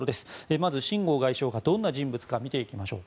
まずシン・ゴウ外相がどんな人物か見ていきましょう。